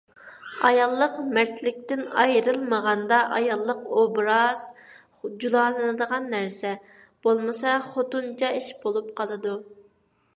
ئاياللىق مەردلىكتىن ئايرىلمىغاندا ئاياللىق ئوبراز جۇلالىنىدىغان نەرسە. بولمىسا خوتۇنچە ئىش بولۇپ قالىدۇ.